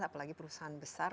apalagi perusahaan besar